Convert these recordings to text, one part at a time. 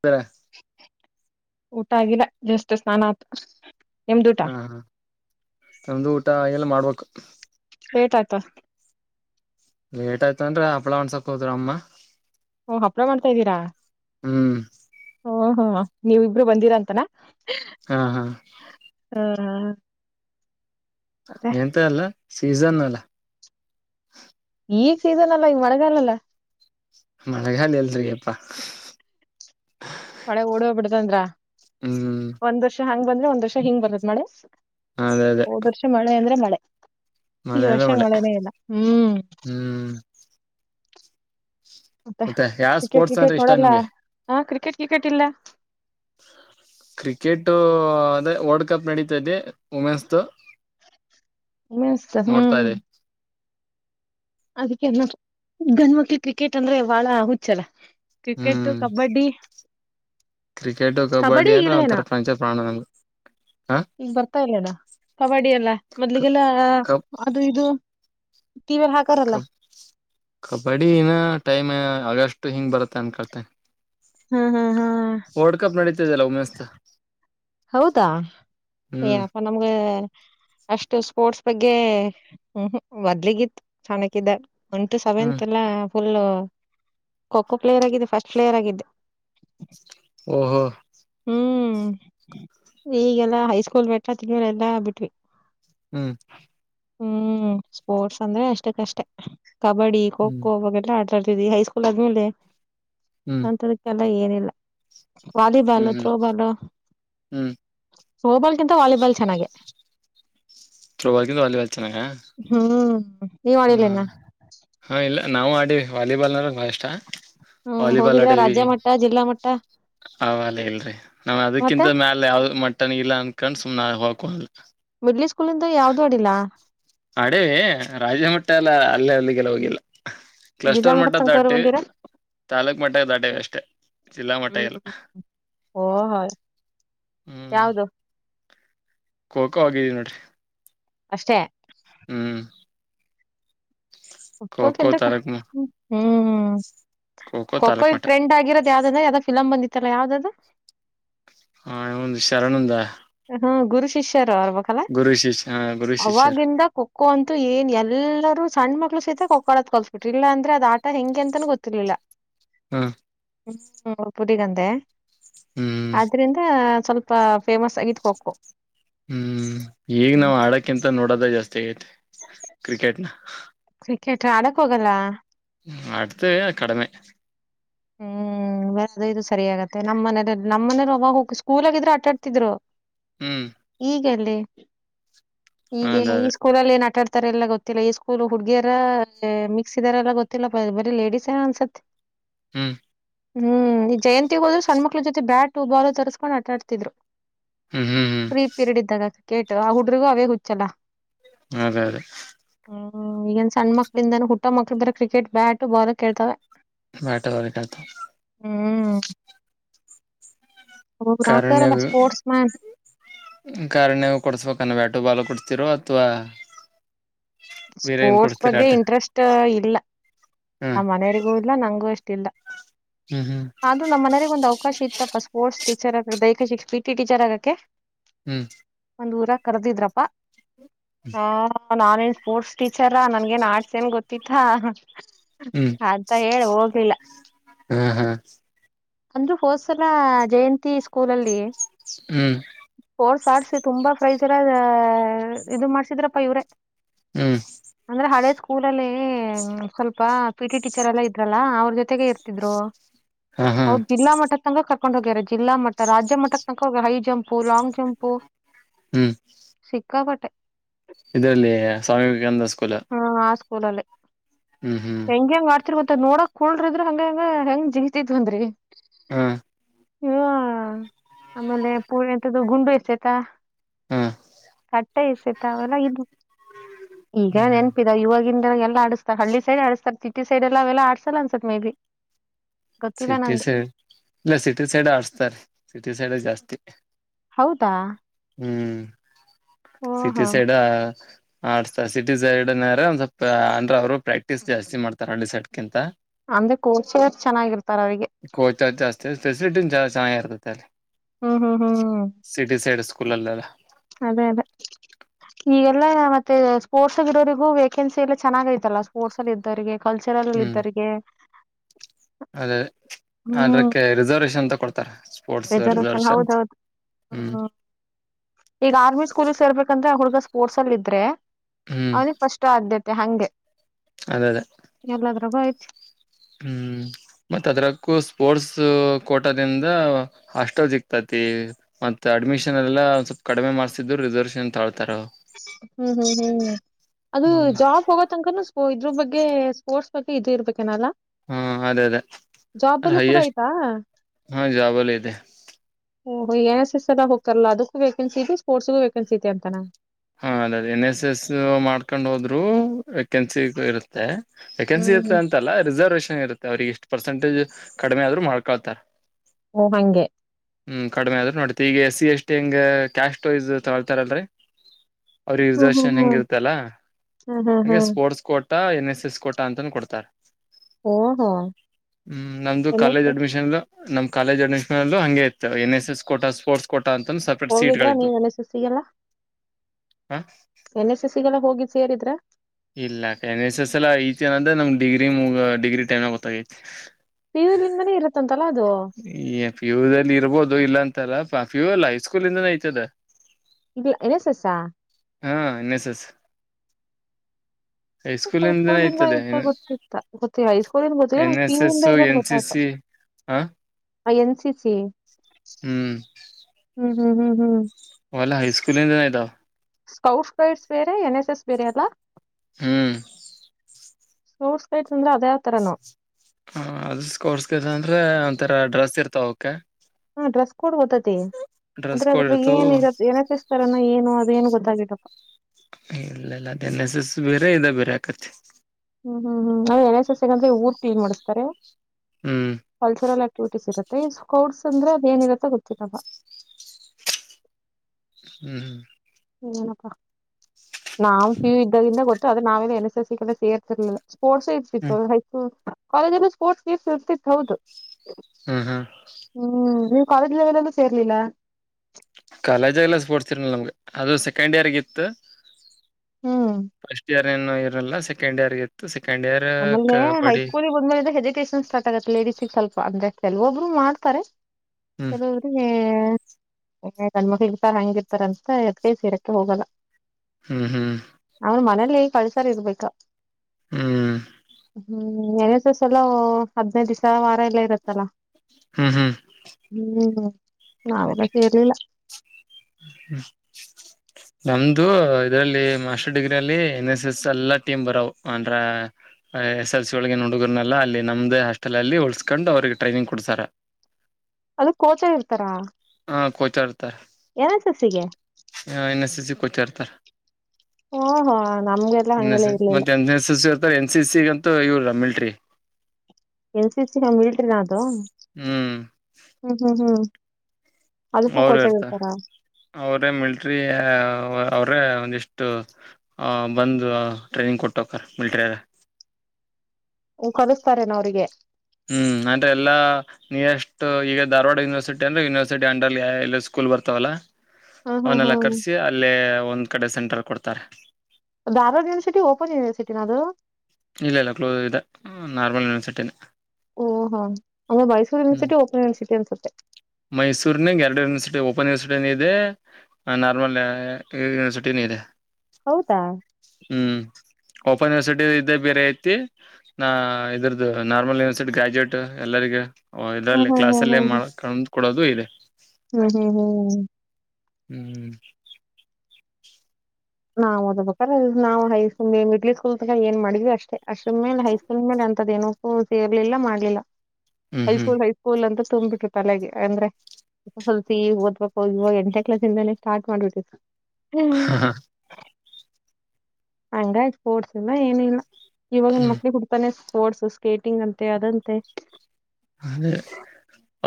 [unintelligible] ಊಟ ಆಗಿಲ, ಜಸ್ಟ್ ಸ್ನಾನ ಆತು. ನಿಮ್ದು ಊಟ ಹಾ ಹಾ ನಮ್ದು ಊಟ ಎ ಎಲ್ಲ ಮಾಡ ವ ಲೇಟ್ ಆಯತ ಲೇಟ್ ಆಯ್ತನ್ ಹಪ್ಳಾ ಒಣ್ಸಕ್ ಹೋದ್ರ ಅಮ್ಮ, ಓ ಹಪ್ಪಳ ಮಾಡ್ತಾ ಇದ್ದೀರಾ? ಹ್ಮ್ ಒ ಓ ಹಾ ನೀವಿ ಇಬ್ರು ಬಂದಿರಾಂತನ ಹ್ಮ ಹಾ ಹಾ ಹಾ ಹಾ ಎಂತ ಅಲ್ಲ ಸೀಸನ್ ಅಲ್ಲ, [unintelligible] ಈಗ ಸೀಸನ್ ಅಲ್ಲ ಈಗ ಮಳಗಾಲಲ್ಲ. ಮಳೆಗಾಲಿ ಎಲ್ರಿ ಯಪ್ಪಾ? ಮಳೆ ಓಡುವ ಬಿಡ್ತಂದ್ರ. ಹ್ಮ್ ಒಂದ್ ವರ್ಷ ಹಂಗ ಬಂದ್ರೆ ಒಂದ್ರ ವರ್ಷ ಹಿಂಗ್ ಬರದ ಮಳೆ ಅದೇ ಅದೇ ಹೋದರ್ಷ ಮಳೆ ಅಂದ್ರೆ ಮಳೆ ಹ ಈ ಮಳೆ ಎಲ್ಲ ವರ್ಷ ಮಳೆ ಮಳೆನೇ ಇಲ್ಲ ಹ್ಮ್ ಹ್ಮ್ ಮತ್ತೆ ಯಾವ ಕ್ರಿಕೆಟ್ ಸ್ಪೋರ್ಟ್ಸ್ ಅಂದ್ರೆ ಕ್ರಿಕೆಟ್ ಇಷ್ಟ ನೋಡಲ್ಲ ನಿಮ್ಗೆ ಹಾ ಕ್ರಿಕೆಟ್ ಕ್ರಿಕೆಟ್ ಇಲ್ಲ ಕ್ರಿಕೆಟ್ ಅದೇ ವರ್ಲ್ಡ್ ಕಪ್ ನಡೀತಾ ವುಮೆನ್ಸ್ ಮಸ್ತ್ ಹ್ಮ್ ಅದಕ್ಕೆ ಗಂಡ ಮಕ್ಕಳ ಕ್ರಿಕೆಟ್ ಅಂದ್ರೆ ಬಾಳ ಹುಚ್ಚಲ್ಲ ಕ್ರಿಕೆಟ್ ಕಬಡ್ಡಿ. ಕ್ರಿಕೆಟು ಕಬಡ್ಡಿ ಅಂದ್ರೆ ಒಂಥರ ಪ್ರಂಚ ಪ್ರಾಣ ನನಗೆ ಹ ಈಗ ಬರ್ತಾ ಇಲ್ಲಣ್ಣ ಕಬಡ್ಡಿ ಎಲ್ಲಾ ಮೊದ್ಲಿಗೆಲ್ಲ ಅದು ಇದು [unintelligible] ಕಬಡ್ಡಿ ಇನ್ನೇ ಟೈಮ ಆಗಷ್ಟು ಹಿಂಗ್ ಬರುತ್ತೆ ಹಾಕೊತೀನಿ ಹ್ಮ್ ಹ್ಮ್ ಹ್ಮ್ ವರ್ಲ್ಡ್ ಕಪ್ ನಡ್ತ ಅದೆಲ್ಲ ಮಸ್ತ ಹೌದಾ ಏಪ್ಪ ನಮ್ಗೆ ಅಷ್ಟು ಸ್ಪೋರ್ಟ್ಸ್ ಬಗ್ಗೆ ಬದ್ಲಿಗಿತ್ತು ಚನ್ನಕಿದಳ್ ಒಂಟು ಹ್ಮ್ ಸವೆಂತ್ ಎಲ್ಲಾ ಫುಲ್ಲ ಖೋ ಖೋ ಪ್ಲೇಯರ್ ಆಗಿದ್ದೆ ಫಸ್ಟ್ ಪ್ಲೇಯರ್ ಆಗಿದ್ದೆ ಓಹೋ ಹ್ಮ್ ಈಗೆಲ್ಲಾ ಹೈಸ್ಕೂಲ್ ಬೆಟ್ಟ ಟೀಮರೆಲ್ಲಾ ಬಿಟ್ವಿ ಹ್ಮ್ ಹ್ಮ್ ಸ್ಪೋರ್ಟ್ಸ್ ಅಂದ್ರೆ ಅಷ್ಟಕ್ಕಷ್ಟೇ ಕಬಡ್ಡಿ ಹ್ಮ್ ಖೋಖೋ ಅವೆಲ್ಲ ಆ ಡ್ತಿದವಿ ಹೈ ಸ್ಕೂಲ್ ಆದ್ಮೇಲೆ ಹ್ಮ್ ನಂತರ ಕೆಲಸ ಎಲ್ಲ ಏನಿಲ್ಲ ವಾಲಿಬಾಲ್ ಹ್ಮ್ ಹ್ಮ್ ತ್ರ್ರೋಬಾಲ್ ಹ್ಮ್ ತ್ರೋಬಾಲ್ ಕಿಂತ ವಾಲಿಬಾಲ್ ಚೆನ್ನಾಗೆ ಥ್ರೋ ಬಾಲ್ ಕಿಂತ ವಾಲಿಬಾಲ್ ಚಂದನ ಹ್ ನೀವು ಆಡಿಲಿಲ್ವಾ ಇಲ್ಲ ನಾವು ಆಡಿ ವಾಲಿಬಾಲ್ ಅ ಭಾಳ ಇಷ್ಟ ಹ್ಮ್ ವಾಲಿಬಾಲ್ ಹೋಗಿದ್ರ ಅಡವಿ ರಾಜ್ಯ ಮಟ್ಟ ಜಿಲ್ಲಾ ಮಟ್ಟ ಅವಲ್ಲ ಇಲ್ರಿ ನಾವ್ ಮತ್ತೆ ಅದಕ್ಕಿಂತ ಮ್ಯಾಲ ಯಾವ್ದ ಮಟನ್ ಇಲ್ಲ ಅಂತ ಅನ್ಕೊಂಡ್ ಸುಮ್ನಾದೆ ಹೊಕ್ ಹೋಗಿಲ್ಲ ಮಿಡ್ಲಿ ಸ್ಕೂಲಿಂದ ಯಾವವುದು ಅಡಿಲ್ಲ ಅಡವೆ ರಾಜ ಮಟ್ಟ ಎಲ್ಲ ಅಲ್ಲ ಅಲ್ಲಿಗೆಲ್ಲ ಹೋಗಿಲ್ಲ ಜಿಲ್ಲಾ ಕ್ಲಸ್ಟರ್ ಮಟ್ಟದ ಮಟ್ಟ ತನಕರು ದಾಟಿವ ಬಂದಿರಾ ತಾಲೂಕ್ ಮಟ್ಟ ದಾಟಿವವಿ ಅಷ್ಟೇ ಜಿಲ್ಲಾ ಮಟ್ಟ ಇಲ್ಲ ಓಹೋ ಹ್ಮ್ ಯಾವ್ದು ಖೋಖೋ ಆಗಿದ್ದೀವಿ ನೋಡ್ರಿ ಅಷ್ಟೇ ಹ್ಮ್ ಖೋ ಗಿಂತ ಖೋ ಖೋ ಟ್ರೆಂಡ್ ಆಗಿರೋದು ಯಾವ್ದ್ರ ಫಿಲಮ್ ಬಂದಿತ್ತಲ್ಲ ಯಾವ್ದದು ಹಾ ಹಂದು ಶರಣ್ಂದ ಹಾ ಗುರು ಶಿಷ್ಯ [unintelligible] ಗುರು ಶಿಷ್ಯ ಗುರು ಶಿಷ್ಯರ್ ಅವಗೇದ ಖೋಖೋ ಅಂತ ಏ ಎಲ್ಲರೂ ಸಣ್ಣ್ಮ ಮಕ್ಳು ಸಹಿತ ಕೊಕ್ಕಾಡದ ಕಲ್ಸ್ಿ್ರ ಇಲ್ಲಾಂದ್ರೆ ಅದ್ ಆಟ ಹೆಂಗೆ ಅಂತನೂ ಗೊತ್ತಿಲಿಲ್ಲ ಹ್ಮ [unintelligible] ಹ್ಮ್ ಆದ್ರಿಂದ ಸ್ವಲ್ಪ ಫೇಮಸ್ ಆಗಿ ಖೋಖೋ ಹ್ಮ್ ಈಗ್ ಹ್ಮ್ ನಾವ್ ಆಡಕ್ಕಿಂತ ನೋಡೋದೇ ಜಾಸ್ತಿ ಆಗೈತೆ ಕ್ರಿಕೆಟ್ ನಾ ಕ್ರಿಕೆಟ್ ಆಡಕ್ ಹೋಗಲ್ಲಾ ಆಡ್ತೀವಿ ಅ ಕಡಿಮೆ ಹ್ಮ್ [unintelligible] ಇದು ಸರಿ ಆಗತ್ತೆ ನಮ್ಮ ಮನೇದು ನಮ್ಮ ಮನೇರು ಅವಾಗ ಸ್ಕೂಲಾಗಿದ್ರೆ ಆಟಾಡ್ತಿದ್ರು ಹ್ಮ್ ಈಗ ಎಲ್ಲಿ ಈಗೇ ಅದ ಈ ಅದೇ ಸ್ಕೂಲಲ್ಲಿ ಏನ್ ಆಟಾಡ್ತಾರೆ ಎಲ್ಲ ಗೊತ್ ಗೊತ್ತಿಲ್ಲ ಈ ಸ್ಕೂಲ್ ಹುಡ್ಗಿಯರ ಮಿಕ್ಸ್ ಇದಾರ ಎಲ್ಲ ಗೊತ್ತಿಲ್ಲ ಬರೀ ಲೇಡಿಸ ಅನ್ಸತ್ತೆ ಹ್ಮ್ ಹ್ಮ್ ಈ ಜಯಂತಿಗ್ ಹೋದ್ರು ಸಣ್ಣ್ಮಕ್ಳ ಜೊತೆ ಬ್ಯಾಟು ಬಾಲು ತರ್ಸ್ಕೊಂಡ್ ಆಟ ಆಡ್ತಿದ್ರು ಹ್ಮ್ ಹ್ಮ್ ಹ್ಮ್ ಫ್ರೀ ಪೀರಿಯಡ್ ಇದ್ದಾಗ ಕೇಟ್ ಆ ಹುಡ್ರಿಗೂ ಅವೇ ಹುಚ್ಚಲ್ಲ ಹಾ ಅದೇ ಅದೇ ಹ್ಮ ಈಗಿನ್ ಸಣ್ಣ ಮಕ್ಳಿಂದಾನು ಹುಟ್ಟೋ ಮಕ್ಳ ಬರೆ ಕ್ರಿಕೆಟ್ ಬ್ಯಾಟ ಬಾಲು ಕೇಳ್ತವೆ ಬ್ಯಾಟು ಬಾಲ್ ಇಟ್ಟಾಯ್ತು ಹ್ಮ್ ಹೋಗ್ರ ಆಗ್ತಾರಲ್ಲ ಕಾರುಣ್ಯಗೂ ಸ್ಪೋರ್ಟ್ಸ್ ಮ್ಯಾನ್ ಕಾರುಣ್ಯಗೂ ಕೊಡ್ಸ್ಬೇಕನೋ ಬ್ಯಾಟ್ ಟು ಬಾಲು ಕೊಡ್ಸ್ತಿರೋ ಅಥವಾ ವೀರೇನ್ ಸ್ಪೋರ್ಟ್ಸ್ ಕೊಡ್ಸ್ತಿರ ಬಗ್ಗೆ ಆಟ ಇಂಟ್ರೆಸ್ಟ ಇ ಇಲ್ಲ ಹ್ಮ್ ನಮ್ ಮನೆಯರಿಗೂ ಇಲ್ಲಾ ನಂಗೂ ಇಷ್ಟ್ ತಿಂದ ಹ್ಮ್ ಹ್ಮ್ ಆದ್ರೂ ನಮ್ ಮನೆರಿಗೆ ಒಂದ್ ಅವ್ ಅವಕಾಶ ಇತ್ತಪ್ಪ ಸ್ಪೋರ್ಟ್ಸ್ ಟೀಚರ್ ದೈಹಿಕ ಪಿಟಿ ಟೀಚರ್ ಆಗಕೆ ಹ್ಮ್ ಒಂದ್ ಊರಾಗ್ ಕರ್ದಿದ್ರಪ್ಪಾ ಹಾ ನಾನೇ ಸ್ಪೋರ್ಟ್ಸ್ ಟೀಚರಾ ನಂಗೇನ್ ಆರ್ಟ್ಸ್ ಏನ್ ಗೊತ್ ಹಿತಾ ಹ್ಮ್ ಹಾ ಹಾ ಅಂದ್ರು ಹೋದಸಲ ಜಯಂತಿ ಸ್ಕೂಲ ಅಲ್ಲಿ ಹ್ಮ್ ಸ್ಪೋರ್ಟ್ಸ ಆಡ್ಸಿ ತುಂಬಾ ಫ್ರೈ ಜರ ಇದು ಮಾಡ್ಸಿದ್ರಪ್ಪಾ ಇವ್ರೇ ಹ್ಮ್ ಅಂದ್ರೆ ಹಳೆ ಸ್ ಸ್ಕೂಲಲ್ಲಿ ಸ್ವಲ್ಪ ಪಿ ಟಿ ಟೀಚರ್ ಎಲ್ಲ ಇದ್ರಲ್ಲಾ ಅವ್ರ ಜೊತೆಗೆ ಇರ್ತಿದ್ರು ಹಾ ಹಾ ಅವರ್ ಜಿಲ್ಲಾ ಮಟ್ಟದ ತನಕ ಕೊಂಡ್ ಹೋಗ್ಯಾರ ಜಿಲ್ಲಾ ಮಟ್ಟ ರಾಜ್ಯ ಮಟ್ಟಕ್ಕೆ ತನಕೋಗ ಹೈ ಜಂಪು ಲಾಂಗ್ ಜಂಪು ಹ್ಮ್ ಸಿಕ್ಕಪಟ್ಟೆ ಇದರಲ್ಲಿ ಸ್ವಾಮಿ ವಿವೇಕಾನಂದಸ್ ಕಲ ಹೂದಲ್ಲ ಹ್ಮ್ ಹ್ಮ್ ಮತ್ತತ್ ನೋಡಾಕ್ ಕುಲ್ರ್ರ ಇದ್ರ ಹಂಗ ಹಂಗ ಹೆಂಗ ಜಿತಿದ್ವನ್ರಿ ಹಾ ಹ್ಮ ಹ ಆಮೇಲೆ ಪೂ ಎಂತದ್ದು ಗುಂಡು ಎಷ್ಟೈತಾ ಹಾ ತಟ್ಟ ಎಸತ ಅವೆಲ್ಲ ಇದು ಈ ಏನ್ ನೆನಪಿದಾ ಇವಾಗಿ [inaudible] ಹ ಆಸತ ಹಳ್ಳಿ ಸೈಡ್ ಆಡಸಸ್ತತಿ ಸೈಡ್ ಎಲ್ಲ ಅವೆಲ್ಲ ಆಡ್ಸಲ್ಲ ಅನ್ಸತ್ ಮೇಲಿ ಸಿಟಿ ಸೈಡ್ ಇಲ್ಲ ಸಿಟಿ ಸೈಡ್ ಆಡ್ಸ್ತಾರೆ ಸಿಟಿ ಸೈಡ್ ಜಾಸ್ತಿ ಹ ಹೌದಾ ಹ್ಮ್ ಸಿಟಿ ಓಹೋ ಸೈಡ್ ಆಡ್ಸ್ತ ಸಿಟಿ ಎರಡ ಒಂದ್ ಸ್ವಪ ಅಂದ್ರೆ ಅವ್ರು ಪ್ರಾಕ್ಟೀಸ್ ಜಾಸ್ತಿ ಮಾಡ್ತಾರೆ ಹಳ್ಳ ಸೈಡ್ಕಿಂತ ಅಂದ್ರ ಕೋ ಕಚಚ್ಸ್ತೆ ಸಿಲಿಟಿ ಚ ಯತ [unintelligible] ಇತ [inaudible] ಹ್ಮ್ ಹ್ಮ್ ಹ್ಮ್ ಹ್ಮ್ ಅ ಅದೇ ಅದೇ ಈಗೆಲ್ಲ ಮತ್ತೆ ಸ್ಪೋರ್ಟ್ಸ್ಗ ಇರೋರಿಗೂ ವೇಕೆನ್ಸಿ ಎಲ್ಲ ಚೆನ್ನಾಗ ಐತಲ್ಲ ಸ್ಪೋರ್ಟ್ಸ್ ಅಲ್ಲಿ ಇದ್ದೋರಿಗೆ ಹ್ಮ್ ಅದೇ ಅದ್ರಕ್ಕೆ ರಿಸರ್ವೇಶನ್ ಅಂತ ಕೊಡ್ತಾರ ರೆಸೆರ್ವಶನ್ ಹೌದ ಹೌದ ಹ್ಮ್ ಹ ಈಗ ಆರ್ಮಿ ಸ್ಕೂಲ್ ಗೆ ಸೇರಸ. ಬೇಕಂದ್ರೆ ಹುಡುಗ ಸ್ಪೋರ್ಟ್ಸ್ ಅಲ್ಲಿ ಇದ್ರೆ. ಹ್ಮ್ ಅವನಿಗೆ ಫಸ್ಟ್ ಆದ್ಯತೆ ಹಂಗೆ ಅದೇ ಅದೇ ಎಲ್ಲಾದ್ರಗ ಆಯ್ತ ಹ್ಮ್ ಮತ್ ಅದ್ರಕ್ಕೂ ಸ್ಪೋರ್ಟ್ಸ್ ಕೋಟದಿಂದ ಹಾಸ್ಟೆಲ್ ಸಿಗ್ತೈತಿ ಮತ್ತ್ ಅಡ್ಮಿಷನ್ ಎಲ್ಲ ಒನ್ ಸ್ವಲ್ಪ ಕಡಿಮೆ ಮಾಡ್ಸಿದ್ರು ರಿಸರ್ವೇಶನ್ ತ ಹ್ಮ್ ಹ್ಮ್ ಹ್ಮ್ ಅದು ಹ್ಮ್ ಜಾಬ್ ಹೋಗೋ ತನಕನೋ ಸ್ಪೋಟ್ ಇದ್ರ ಬಗ್ಗೆ ಸ್ಪೋರ್ಟ್ಸ್ ಬಗ್ಗೆ ಇದು ಇರ್ಬೇಕೇನಲ್ಲಾ. ಹಾ ಅದೇ ಅದೇ ಅ ಕೂಡ ಹೈಯೆಸ್ಟ್ ಆಯ್ತಾ ಹಾ ಜಾಬಲ್ಲಿ ಇದೆ. ಓಹೋ ಎ ಎಸ್ ಎಸ್ಸಿ ದಾಗ ಹೋಗ್ತಾರಲ್ಲ ಅದಕ್ಕೂ ವೇಕೆನ್ಸಿ ಐತಿ ಸ್ಪೋರ್ಟ್ಸ್ಗು ವೇಕೆನ್ಸಿ ಐತಿ ಅಂತನ. ಹಾ ಅದೇ ರಿ ಎನ್ ಎಸ್ ಎಸ್ ಮಾಡ್ಕೊಂಡ್ ಹೋದ್ರು ವೇಕೆನ್ಸಿ ಸ ಇರುತ್ತೆ. ವೆೇಕೆನ್ಸಿ ಇರುತ್ತೆ ಹ್ಮ್ ಅಂತಲ್ಲ ರಿಸರ್ವೇಷನ್ ಇರುತ್ತೆ. ಅವ್ರಿಗೆ ಎಷ್ಟ್ ಪರ್ಸೆಂಟೇಜ್ ಕಡಿಮೆ ಆದ್ರರು ಮಾಡ್ಕೊಳ್ತಾರೆ ಓ ಹಂಗೆ ಹ್ಮ್ ಕಡಿಮೆ ಆದ್ರೆ ನೋಡ್ತಿ ಈಗ ಎಸ್ ಸಿ ಎಸ್ ಟಿ ಹಂಗ ಕ್ಯಾಸ್ಟ್ ವೈಸ್ ತಗೊಳ್ತಾರಲ್ರರಿ ಅವರಿಗೆ ರೀಸರ್ ಹ್ಮ್ ಹ್ಮ್ ವೇಶನ್ ಹೆಂಗ ಹ್ಮ್ ಇರ್ತಲ್ಲ ಹ್ಮ್ ಹ್ಮ್ ಹಂಗೆ ಹ್ಮ್ ಸ್ಪೋರ್ಟ್ಸ್ ಕೋಟ್ ತ ಎನ್ ಎಸ್ ಎಸ್ ಕೋಟ ಅಂತನು ಕೊಡ್ತಾರೆ ಓಹೋ ಹ್ಮ್ ನಮ್ದು ಎನ್ ಎಸ್ ಕಾಲೇಜ್ ಎಸ್ ಅಡ್ಮಿಷನ್ದು ನಮ್ ಕಾಲೇಜ್ ಅಡ್ಮಿಶನ್ಲು ಹಂಗೆ ಇತ್ತು N S quota sports quota ಹೋಗಿದ್ರಾ ನೀವ್ ಏನ್ ಎಸ್ ಎಸ್ ಗೆಲ್ಲ ಹ ಎನ್ ಎಸ್ ಎಸ್ಸಿಗೆಲ್ಲ ಹೋಗಿ ಸೇರಿದ್ರ ಸಲ ಈಚ ಏನ್ ಅಂದ್ರೆ ನಮ್ ಡಿಗ್ರಿ ಮುಗ್ ಡಿಗ್ರಿಟಮ್ನಾಗ ಗೊತ್ತಾಗತಿ ಪಿ ಯು ನಿಂದಲೇ ಇರುತ್ತಂತಲ್ಲ ಅದು ದು ಇಲ್ಲಾಂತಾಲ್ಲ ಪ ಪಿ ಯು ಅಲ್ಲ ಐ ಸ್ಕೂಲ್ ಇಂದಾನೆ ಐತದು ಇದು ಏನ್ ಎಸ್ ಎಸ ಹಾ N S S high school I ಇಂದಾನೇ ಸ್ಕೂಲ್ ನಿಂದ ಐತದೆ ಇತ ಗೊತ್ತಿತ್ತ ಗೊತ್ತಲ ಐಸ್ಕೂಲ್ ನಿಂದ ಗೊತ್ತಲ ಎನ್ ನಂಗ್ ಪಿ ಎಸ್ ಯು ಎಸ್ ನಿಂದ ಇರದ್ ಎನ್ ಸಿ ಗೊತ್ತ್ ಸಿ ಹ ಎನ್ ಸಿ ಸಿ ಹ್ಮ್ ಹ್ಮ ಹ್ಮ್ ಹ್ಮ್ ಹ್ಮ್ ಹವೇಲ ಹೈಸ್ಕೂಲಿಂದನ ಇದು ಸ್ಕೌಟ್ಸ್ ಗೈಡ್ಸ್ ಬೇರೆ ಎನ್ ಎಸ್ ಎಸ್ ಬೇರೆ ಅಲ್ಲಾ ಹ್ಮ್ ಸ್ಕೌಟ್ಸ್ ಗೈಡ್ ಅಂದ್ರೆ ಅದು ಯಾವತರನೋ ಹ ಸ್ಕೌಟ್ಸ್ ಗೈಡ್ಸ್ ಅಂದ್ರೆ ಒಂಥರ ಡ್ರೆಸ್ ಇರ್ತಾವ ಅವಕ್ಕೆೆ ಹಾ ಟ್ರಸ್ ಕಡ್ ಗೊತ್ತತಿ ಡ್ರೆಸ್ ಅಂದ್ರೆ ಕೋಡ್ ಅದ್ರಲ್ಲಿ ಇರ್ತವು ಏನ್ ಇರುತೆ ಎನ್ ಎಸ್ ಎಸ್ ತರನ ಏನು ಅ ಏನು ಗೊತ್ತಾಗತಪ್ಪ ಇಲ್ಲಿಲ ಎನ್ ಎಸ್ ಎಸ್ ಬೇರೆ ಇದ ಬೇರೆ ಆಕತ್ತೆ ಹ್ಮ್ ಹ್ಮ್ ಹ್ಮ್ ಅದೆ ಎನ್ ಎಸ್ ಎಸ್ ಅಂದ್ರೆ ಊರ್ ಕ್ಲಿನ್ ಮಾಡಿಸ್ತಾರೆ ಹ್ಮ್ ಕಲ್ಚರಲ್ ಅಕ್ ವಿಟಿಸ್ ಇರುತ್ತೆ ಸ್ಕೌಟ್ಸ್ ಅಂದ್ರೆ ಅದ ಏನಿರತ್ತೆ ಗೊತ್ತಿಲ್ಲ ಪ ಹ್ಮ್ ಹ್ಮ್ ಇನ್ನೆನಪ ನಾವು ಫ್ಯೂ ಇದ್ದಾಗಿಂದ ಗೊತ್ತ ಅದು ನಾವ ಎನಸಸ್ಸ ಸೇರ್ತರ್ಲಿಲ್ಲ ಸ್ಪೋರ್ಟ್ಸ್ ಹ್ಮ್ ಇರ್ತಿತ್ತು ಹೈಸ್ಕೂಲ್ ಕಾಲೇಜಲ್ಲ ಸ್ಪೋರ್ಟ್ಸ್ ಗಿಫ್ಸ್ ಇರ್ತಿತ್ತು ಹೌದು ಹ್ಮ್ ಹ್ಮ್ ಹ್ಮ್ ನೀವ್ ಕಾಲೇಜ್ ಲೆವೆಲ್ಲ್ಲೂ ಸೇರ್ಲಿಲ್ಲ ಕಾಲೇಜಾಗಲ್ಲ ಸ್ಪೋರ್ಟ್ಸ್ ಇರ ನಮ್ಗೆ ಅದು ಸೆಕೆಂಡ್ ಇಯರ್ಗ ಇತ್ತು ಹ್ಮ್ ಫಸ್ಟ್ ಯಾರ್ ಏ ಇರಲ್ಲ ಸೆಕಂಡರೀಗ ಇತ್ತು. ಆಮೇಲೆ ಹೈಸ್ಕೂಲ್ ಹೋದ್ಮೇಲೆ ಎಜುಕೇಶನ್ ಸ್ಟಾರ್ಟ ಆಗುತ್ತೆ ಲೇಡೀಸ್ ಸ್ವಲ್ಪ ಅಂದ್ರೆ ಕೆಲ ಒಬ್ರು ಮಾಡ್ತಾರೆ. ಹ್ಮ್ ಕೆಲವ್ರಗೆ ಸಣ್ಣ ಮಗಿಿಗೆ ಸಾರ್ ಹಂಗಿರ್ತಾರ ಅನ್ಸ ಎದಕೈ ಸೀರಕ್ಕೆ ಹೋಗಲ್ಲ [unintelligible] ಹ್ಮ್ ಹ್ಮ್ ಅವ್ರ ಮನೇಲಿ ಕಳ್ಸಾರ ಇರ್ಬೇಕಾ. ಹ್ಮ್ ಹ್ಮ್ ಹ್ಮ್ ಎನ್ ಎಸ್ ಎಸ್ ಸಲ ಹದ್ನೈದ ದಿವ್ಸ ವಾರ ಎಲ್ಲ ಇರತ್ತಲ್ಲಾ. ಹ್ಮ್ ಹ್ಮ್ ಹ್ಮ್ ನಾವೆಲ್ಲ ಸೇರ್ಲಿಲ್ಲ ಹ್ಮ್ಮ್ ನಮ್ದು ಇದ್ರಲ್ಲಿ ಮಾಸ್ಟರ್ ಡಿಗ್ರಿಲ್ಲಿ ಎನ್ ಎಸ್ ಎಸ್ ಎಲ್ಲ ಟೀಮ್ ಬರೋವು ಅಂದ್ರ ಎಸ್ ಎಲ್ಸ ಒಳಗೀನುಡುಗರನೆಲ್ಲ ಅಲ್ಲಿ ನಮ್ದೇ ಹಾಸ್ಟೆಲ್ ಅಲ್ಲಿ ಉಳ್ಸ್ಕೊಂಡು ಅವ್ರಿಗೆ ಟ್ರೈನಿಂಗ್ ಕೊಡಸಾರ ಅದುಕ ಕೋಚಾ ಇರ್ತಾರಾ. ಹಾ ಕೋಚರ್ ಎನ್ ಎಸ್ ಎಸ್ ಗೆ ಎನ್ ಎಸ್ ಸೇಸಿ ಕೋಚರ್ತ ಓ ಹೋ ನಮ್ಗೆಲ್ಲಾ ಎಸ್ ಹಂಗೆಲ್ಲ ಎಸ್ ಇರ್ಲಿಲ್ಲ ಮತ್ತೆ N S S N C C ಗಂತೂ ಇವ್ರ ಮಿಲ್ಟ್ರಿ ಎನ್ ಸಿ ಸಿ ನ ಮಿಲ್ಟ್ರಿ ನದು ಹ್ಮ್ ಹ್ಮ ಹ್ಮ್ ಹ್ಮ್ ಅದಕ್ಕೂ ಅವರು ಕೋಚರ್ ಇರ್ತಾರ ಅವರೇ ಮಿಲ್ಟ್ರಿ ಅವ್ರೇ ಒಂದಿಷ್ಟು ಬಂದು ಟ್ರೈನಿಂಗ್ ಕೊಟ್ಟ ಹೋಕರ್ ಮಿಲ್ಟ್ರಗ ಹ ಕಲಿಸ್ತಾರೇನ ಅವ್ರಿಗೆ ಹ್ಮ್ ಅಂದ್ರೆ ಎಲ್ಲಾ ನಿಯೆಸ್ಟ್ ಈಗ ಧಾರವಾಡ ಯೂನಿವರ್ಸಿಟಿ ಅಂದ್ರೆ ಯೂನಿವರ್ಸಿಟಿ ಅಂಡರ್ ಎ ಸ್ಕೂಲ್ ಬರ್ತಾವಲ್ಲಾ ಹ್ಮ್ ಹ್ಮ್ ಅವನ್ನೆಲ್ಲಾ ಹ್ಮ್ ಕರ್ಸಿ ಅಲ್ಲೇ ಒಂದ್ ಕಡೆ ಸೆಂಟರ್ ಕೊಡ್ತ ತ್ತರ. ಎನದು ಇಲ್ಲ ಇಲ್ಲ ಕ್ಲೋಸ್ ಇದೆ ನಾರ್ಮಲ್ ಯುನಿವರ್ಸಿಟಿನೆ ಓ ಹೋ ಮೈಸೂರ ಯೂನಿವರ್ಸಿಟಿ ಓಪನ್ ಯನಿವರ್ಸಿಟಿ ಅನ್ಸ ಮೈಸೂರಿನಂಗ ಎರಡು ಯೂನಿವರ್ಸಿಟಿ ಓಪನ್ ಯೂನಿವರ್ಸಿಟಿನೂ ಇದೆ ನಾರ್ಮಲ್ ಯೂನಿವರ್ಸಿಟಿನೂ ಇದೆ. ಹೌದಾ ಹ್ಮ್ ಓಪನ್ ಯೂನಿವರ್ಸಿಟಿ ಇದ್ದ ಬೇರೆ ಐತಿ ನ ಇದ್ರದು ನಾರ್ಮಲ್ ಯನಿವರ್ಸಿಟಿ ಗ್ರಾಜುಯೇಟ್ ಎಲ್ಲರಿಗ ಓ ಹ್ಮ್ ಇದ್ರಲ್ಲಿ ಹ್ಮ್ ಹ್ಮ್ ಕ್ಲಾಸ್ಲ್ಲೇ ಹ್ಮ್ ಮಾಡಕ ಕೊಡೋದು ಇದೆ. ಹ್ಮ್ ಹ್ಮ್ ಹ್ಮ್ ಹ್ಮ್ ನಾವು ಓದ್ಬೆಕಾದ್ರ ನಾವು ಹೈ ಸ್ಕೂಲ್ ಮಿಡ್ಲಿ ಸ್ಕೂಲ್ ತಕ ಏನ್ ಮಾಡಿದ್ವಿ ಅಷ್ಟೇ. ಅ ಸುಮ್ಮನೆ ಹೈಸ್ಕೂಲ್ ಮೇಲ ಮತ್ ಅದೇನೋ ಪೂರ್ತಿ ಇರ್ಲಿಲ್ಲ ಮಾಡ್ಲಿಲ್ಲ ಹ್ಮ್ ಹ್ಮ್ ಹೈಸ್ಕೂಲ್ ಹೈಸ್ಕೂಲ್ ಅಂತ ತುಂಬ್ಬಿಟ್ಟಿತ್ತು ಅಲಗೆ ಅಂದ್ರೆಲ್ ಓದ್ಬೇಕ ಹೋಗವಾಗ ಎಂಟೇ ಕ್ಲಾಸ್ದಾನೇ ಸ್ಟಾರ್ಟ್ ಮಾಡ್ಬಿಟ್ಟಿತ್ತು ಹ್ಮ್ ಹಂಗ ಸ್ಪೋರ್ಟ್ಸ್ಲ್ ಇಲ್ಲ ಏನ ಇಲ್ಲ ಇವಾಗ ನನ್ ಹ್ಮ್ ಮಕ್ಳಗ್ ಹುಡ್ತಾನೆ ಸ್ಪೋರ್ಟ್ಸ್ ಸ್ಕೇಟಿಂಗ್ ಅಂತೆ ಅದಂತೆ ಅದ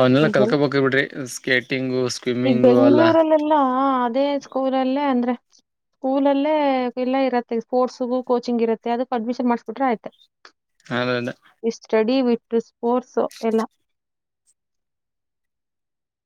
ಅವನ್ನೆಲ್ಲ ಈಗೆಲ್ಲ ಕಲ್ಕೋಬೇಕ ಬಿಡ್ರಿ ಸ್ಕೇಟ್ ಟಿಂಗು ಸ್ವಿಮ್ಮಿಂಗು ಅಲ್ಲ ಹಾ ಅದೇ ಸ್ಕೂಲಲ್ಲೇ ಅಂದ್ರೆ ಸ್ಕೂಲಲ್ಲೇ ಎಲ್ಲ ಇರತ್ತೆ ಸ್ಪೋರ್ಟ್ಸ್ಗು ಕೋಚಿಂಗ್ ಇರುತ್ತೆ ಅದಕ್ ಅಡ್ಮಿಷನ್ ಮಾಡ್ಸ್ಬಿಟ್ರೆ ಆಯ್ತು. ಅಲ್ಲಾ ಸ್ಟಡಿ ವಿ ಸ್ಪೋರ್ಟ್ಸ್ ಎಲ್ಲ